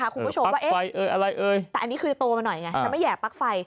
คุณผู้ชมว่าแต่อันนี้คือโตมาหน่อยไงฉันไม่แห่ปลั๊กไฟ